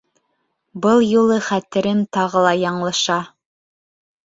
Был юлы хәтерем тағы ла яңылыша